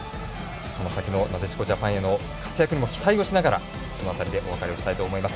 この先も、なでしこジャパンへの活躍にも期待をしながらこの辺りでお別れをしたいと思います。